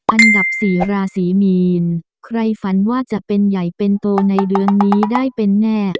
อันดับสี่ราศีมีนใครฝันว่าจะเป็นใหญ่เป็นโตในเดือนนี้ได้เป็นแน่